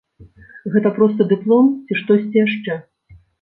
Гэта проста дыплом ці штосьці яшчэ?